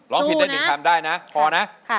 ร้องผิดได้๑คำได้นะพอนะ